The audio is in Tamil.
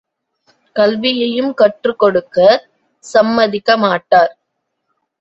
கல்வியையும் கற்றுக் கொடுக்கச் சம்மதிக்க மாட்டார்.